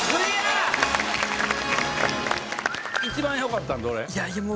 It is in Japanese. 一番よかったんどれ？